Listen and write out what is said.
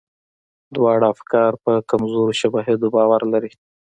دواړه افکار په کمزورو شواهدو باور لري.